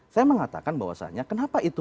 saya mengatakan bahwasannya kenapa itu